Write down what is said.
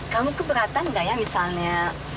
kamu keberatan nggak ya misalnya